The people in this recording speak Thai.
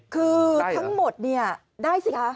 คือทั้งหมดเนี่ยได้สิคะ